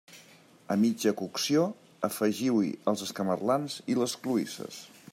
A mitja cocció afegiu-hi els escamarlans i les cloïsses.